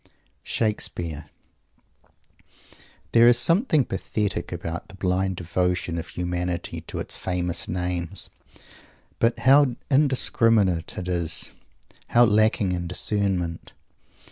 SHAKESPEARE There is something pathetic about the blind devotion of humanity to its famous names. But how indiscriminate it is; how lacking in discernment!